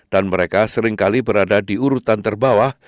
dan mereka seringkali berada di urutan terbawah